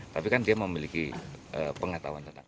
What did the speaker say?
tapi kan dia memiliki pengetahuan tentang